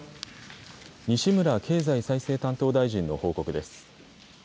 西村経済再生担当大臣の報告です。